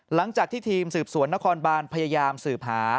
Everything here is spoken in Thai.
หลังจากที่ทีมสืบสวนนครบานพยายามสืบหา